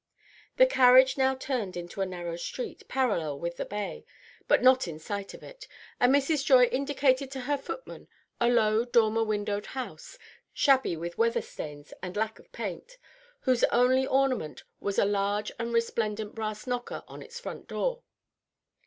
The carriage now turned into a narrow street, parallel with the Bay, but not in sight of it; and Mrs. Joy indicated to her footman a low dormer windowed house, shabby with weather stains and lack of paint, whose only ornament was a large and resplendent brass knocker on its front door.